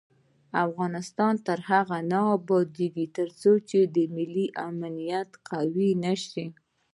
افغانستان تر هغو نه ابادیږي، ترڅو ملي امنیت قوي نشي.